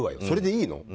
それでいいの？